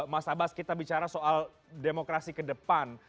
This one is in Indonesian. mas abbas kita bicara soal demokrasi kedepan